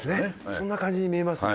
そんな感じに見えますね。